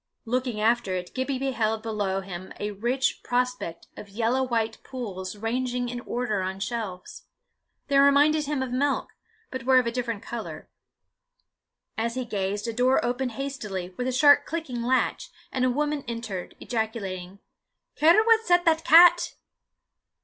Looking after it, Gibbie beheld below him a rich prospect of yellow white pools ranged in order on shelves. They reminded him of milk, but were of a different colour. As he gazed, a door opened hastily, with sharp clicking latch, and a woman entered, ejaculating, "Care what set that cat!"